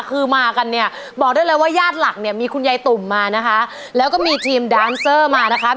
คือมากันเนี่ยบอกได้เลยว่าญาติหลักเนี่ยมีคุณยายตุ่มมานะคะแล้วก็มีทีมดานเซอร์มานะคะ